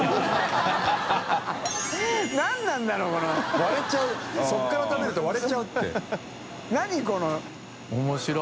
割れちゃうそこから食べると割れちゃうって拭海痢面白い。